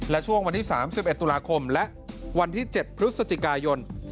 และช่วงวันที่๓๑ตุลาคมและวันที่๗พฤศจิกายน